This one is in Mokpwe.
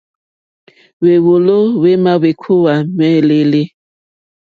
Hwěwòló hwémá hwékúwǃá ŋwɛ́ǃɛ́lɛ́.